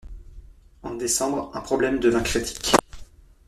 En décembre, un problème devint critique.